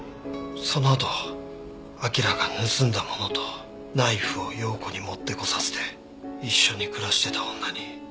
そのあとアキラが盗んだものとナイフを陽子に持ってこさせて一緒に暮らしてた女に。